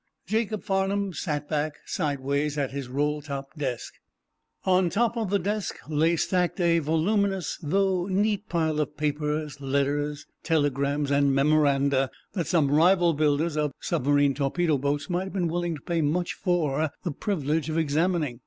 Jacob Farnum sat back, sideways, at his rolltop desk. On top of the desk lay stacked a voluminous though neat pile of papers, letters, telegrams and memoranda that some rival builders of submarine torpedo boats might have been willing to pay much for the privilege of examining.